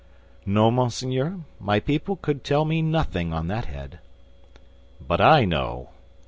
"No, monseigneur; my people could tell me nothing on that head." "But I know."